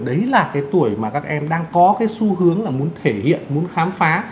đấy là cái tuổi mà các em đang có cái xu hướng là muốn thể hiện muốn khám phá